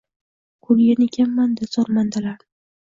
Ko’rgan ekanman-da zormandalarni.